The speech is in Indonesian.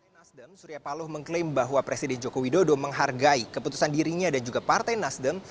nasdem surya paloh mengklaim bahwa presiden joko widodo menghargai keputusan dirinya dan juga partai nasdem